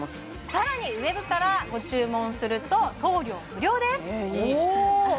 さらにＷＥＢからご注文すると送料無料ですおお！